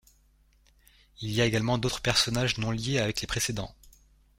Il y a également d'autres personnages non liés avec les précédents.